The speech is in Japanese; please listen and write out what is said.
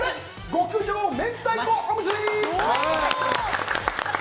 極上明太子おむすび。